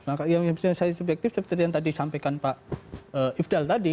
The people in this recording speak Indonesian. maka yang bisa saya subjektif seperti yang tadi sampaikan pak ifdal tadi